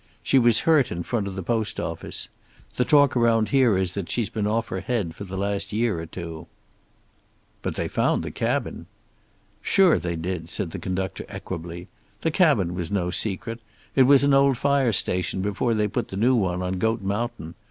She was hurt in front of the post office. The talk around here is that she's been off her head for the last year or two." "But they found the cabin." "Sure they did," said the conductor equably. "The cabin was no secret. It was an old fire station before they put the new one on Goat Mountain.